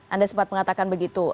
anda sempat mengatakan begitu